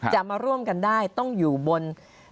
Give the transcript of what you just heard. จะมาร่วมกันได้ต้องอยู่บน